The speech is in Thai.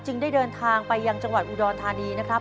ได้เดินทางไปยังจังหวัดอุดรธานีนะครับ